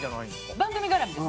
番組絡みです。